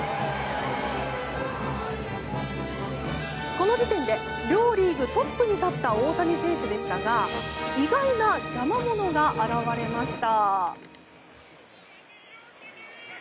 この時点で両リーグトップに立った大谷選手でしたが意外な邪魔者が現れました。